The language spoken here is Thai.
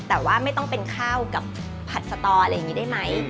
แต่ว่าไม่ต้องเป็นข้าวกับผัดสตออะไรอย่างนี้ได้ไหม